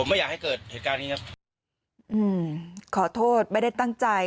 อืมขอโทษไม่ได้ตั้งใจ